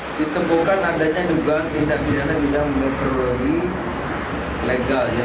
ini bisa mempengaruhi jumlahnya